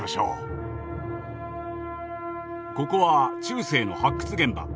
ここは中世の発掘現場。